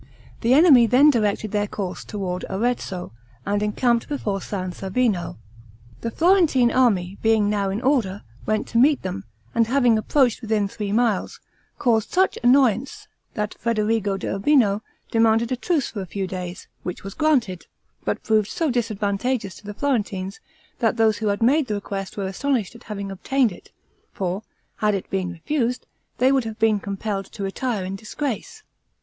The enemy then directed their course toward Arezzo, and encamped before San Savino. The Florentine army being now in order, went to meet them, and having approached within three miles, caused such annoyance, that Federigo d'Urbino demanded a truce for a few days, which was granted, but proved so disadvantageous to the Florentines, that those who had made the request were astonished at having obtained it; for, had it been refused, they would have been compelled to retire in disgrace.